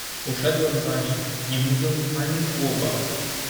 "Poszedłem za nim, nie mówiąc ani słowa."